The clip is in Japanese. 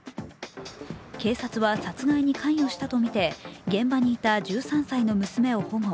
警察は殺害に関与したとみて現場にいた１３歳の娘を保護。